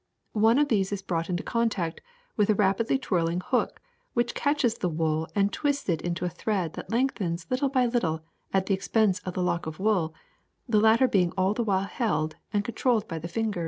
One of these is brought into contact with a rapidly twirling hook, which catches the wool and twists it into a thread that lengthens little by little at the expense of the lock of wool, the latter being all the while held and controlled by the fingers.